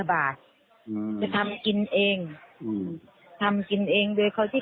บินทะบาท